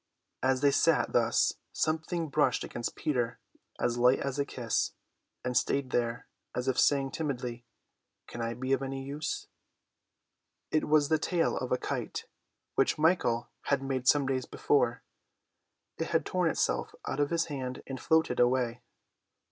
As they sat thus something brushed against Peter as light as a kiss, and stayed there, as if saying timidly, "Can I be of any use?" It was the tail of a kite, which Michael had made some days before. It had torn itself out of his hand and floated away.